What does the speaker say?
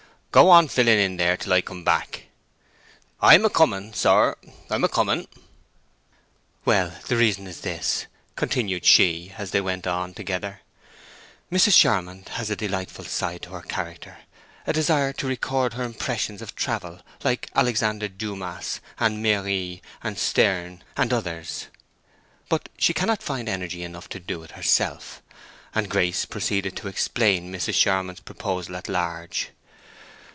"Go on filling in there till I come back." "I'm a coming, sir; I'm a coming." "Well, the reason is this," continued she, as they went on together—"Mrs. Charmond has a delightful side to her character—a desire to record her impressions of travel, like Alexandre Dumas, and Méry, and Sterne, and others. But she cannot find energy enough to do it herself." And Grace proceeded to explain Mrs. Charmond's proposal at large.